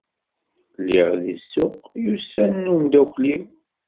Lliɣ di ssuq, yusa-n umeddakel-iw.